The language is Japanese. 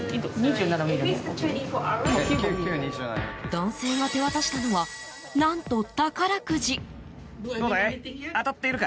男性が手渡したのは何と、宝くじ。